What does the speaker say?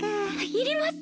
いります！